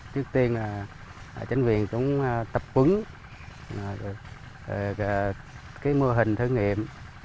trước tiên là chính quyền cũng tập quấn mô hình thử nghiệm